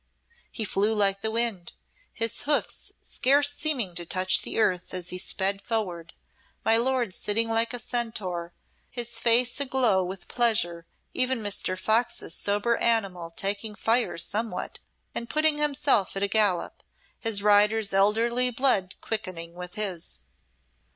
He flew like the wind, his hoofs scarce seeming to touch the earth as he sped forward, my lord sitting like a Centaur, his face aglow with pleasure, even Mr. Fox's soberer animal taking fire somewhat and putting himself at a gallop, his rider's elderly blood quickening with his.